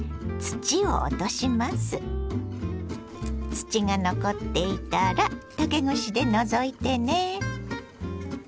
土が残っていたら竹串で除いてね。